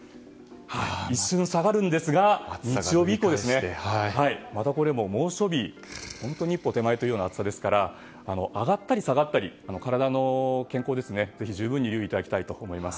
一瞬下がりますが日曜日以降、また猛暑日一歩手前というような暑さですから上がったり下がったり体の健康にぜひ十分にご留意いただきたいと思います。